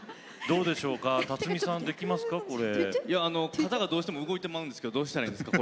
肩がどうしても動いてまうんですけどどうしたらいいんですか？